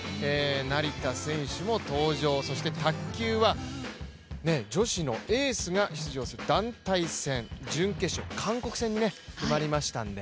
成田選手も登場、卓球は女子のエースが出場する団体戦準決勝韓国戦に決まりましたので。